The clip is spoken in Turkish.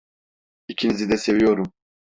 İkinizi de seviyorum.